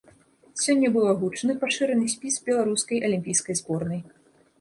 Сёння быў агучаны пашыраны спіс беларускай алімпійскай зборнай.